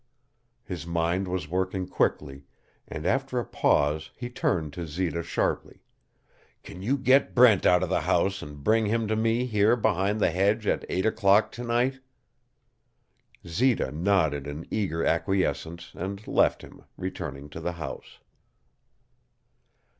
His mind was working quickly, and after a pause he turned to Zita sharply. "Can you get Brent out of the house and bring him to me here behind this hedge at eight o'clock to night?" Zita nodded an eager acquiescence and left him, returning to the house.